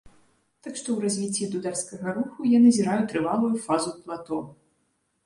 Так што ў развіцці дударскага руху я назіраю трывалую фазу плато.